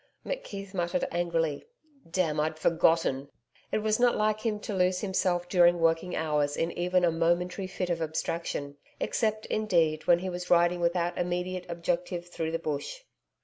McKeith muttered angrily, 'Damn! I'd forgotten.' It was not like him to lose himself during working hours in even a momentary fit of abstraction except, indeed, when he was riding without immediate objective through the Bush.